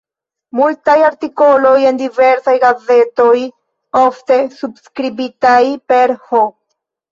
Multaj artikoloj en diversaj gazetoj, ofte subskribitaj per "H.